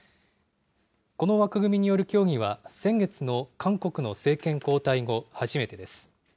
この枠組みによる協議は、先月の韓国の政権交代後初めてです。